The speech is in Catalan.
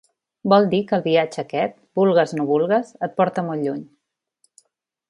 Vol dir que el viatge aquest, vulgues no vulgues, et porta molt lluny.